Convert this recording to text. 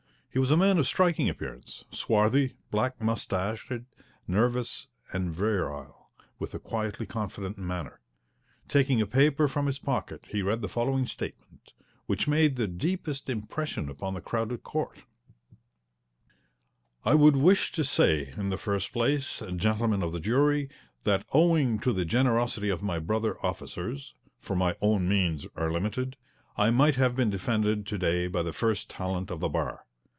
He was a man of striking appearance, swarthy, black moustached, nervous, and virile, with a quietly confident manner. Taking a paper from his pocket he read the following statement, which made the deepest impression upon the crowded court: I would wish to say, in the first place, gentlemen of the jury, that, owing to the generosity of my brother officers for my own means are limited I might have been defended to day by the first talent of the Bar.